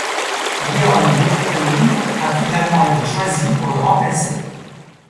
Yeon Jung-hoon a finalement été choisi pour le remplacer.